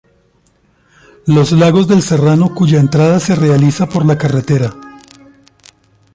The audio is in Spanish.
Los Lagos del Serrano cuya entrada se realiza por la Ctra.